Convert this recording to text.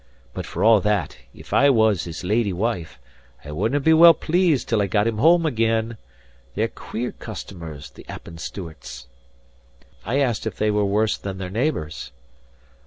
But for all that, if I was his lady wife, I wouldnae be well pleased till I got him home again. They're queer customers, the Appin Stewarts." I asked if they were worse than their neighbours.